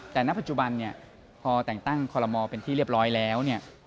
แต่ณปัจจุบันเนี่ยพอแต่งตั้งคอลโมเป็นที่เรียบร้อยแล้วเนี่ย